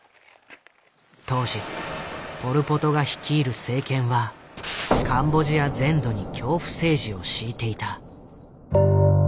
当時ポル・ポトが率いる政権はカンボジア全土に恐怖政治を敷いていた。